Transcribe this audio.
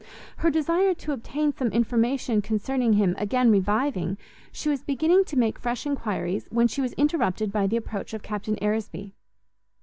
Her desire to obtain some information concerning him again reviving, she was beginning to make fresh enquiries, when she was interrupted by the approach of Captain Aresby.